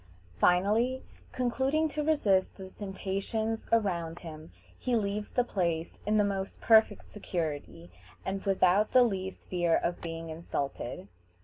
Finally, concluding to resist the temptations around him, he leaves the place in the most perfect security, and without the least fear of being insulted.